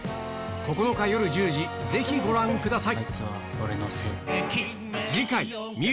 ９日夜１０時ぜひご覧ください